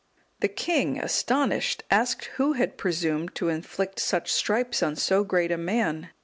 The king, astonished, asked who had presumed to inflict such stripes on so great a man.